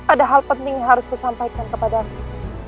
ada hal penting yang harus kusampaikan kepadamu